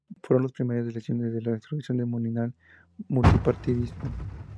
Fueron las primeras elecciones desde la introducción de un nominal multipartidismo.